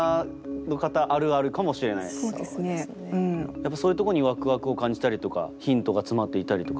やっぱそういうとこにワクワクを感じたりとかヒントが詰まっていたりとか？